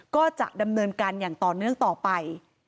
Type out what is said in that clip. ก็จะดำเนินการอย่างต่อเนื่องต่อไป